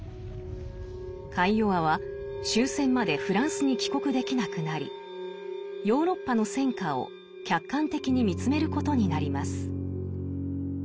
カイヨワは終戦までフランスに帰国できなくなりヨーロッパの戦禍を客観的に見つめることになります。